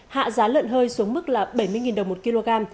hạ giá lợn hơi xuống mức là bảy mươi đồng một kg